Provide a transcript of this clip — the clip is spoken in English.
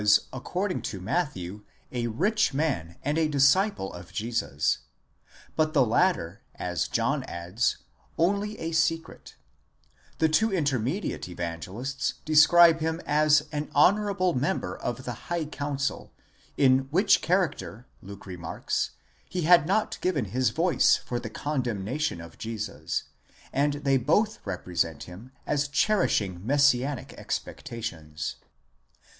according to Matthew a rich man and a disciple of Jesus, but the latter, as John adds, only in secret ; the two intermediate Evangelists describe him as an honourable member of the high council, in which character, Luke remarks, he had not given his voice for the condemnation of Jesus, and they both represent him as cherishing messianic expectations.